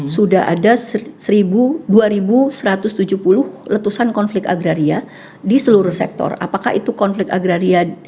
sudah ada seribu dua ribu satu ratus tujuh puluh letusan konflik agraria di seluruh sektor apakah itu konflik agraria